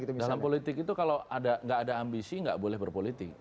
dalam politik itu kalau nggak ada ambisi nggak boleh berpolitik